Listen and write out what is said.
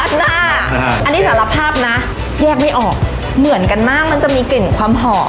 อันนี้สารภาพนะแยกไม่ออกเหมือนกันมากมันจะมีกลิ่นความหอม